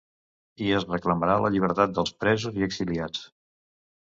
I es reclamarà la llibertat dels presos i exiliats.